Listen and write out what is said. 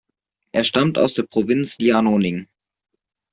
Er stammt aus der Provinz Liaoning.